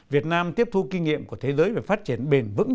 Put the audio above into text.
việt nam tiếp thu kinh nghiệm của thế giới về phát triển bền vững